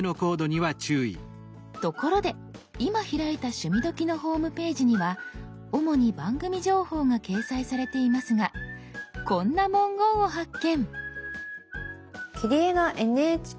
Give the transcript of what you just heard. ところで今開いた「趣味どきっ！」のホームページには主に番組情報が掲載されていますがこんな文言を発見！